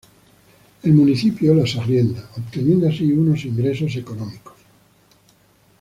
El municipio las arrienda, obteniendo así unos ingresos económicos.